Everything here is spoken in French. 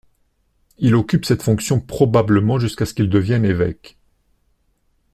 Il occupe cette fonction probablement jusqu'à ce qu'il devienne évêque.